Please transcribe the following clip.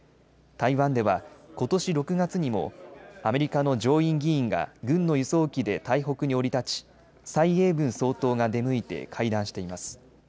台湾ではことし６月にもアメリカの上院議員が軍の輸送機で台北に降り立ち蔡英文総統が出向いて会談しています。